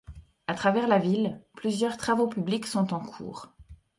À travers la ville, plusieurs travaux publics sont en cours.